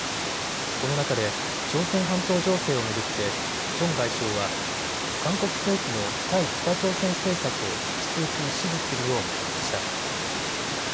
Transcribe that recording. この中で朝鮮半島情勢を巡ってチョン外相は韓国政府の対北朝鮮政策を引き続き支持するよう求めました。